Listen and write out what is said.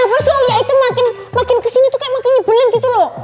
kenapa soh ya itu makin kesini tuh kayak nyebelin gitu loh